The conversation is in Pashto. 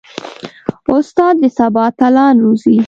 استاد د سبا اتلان روزي.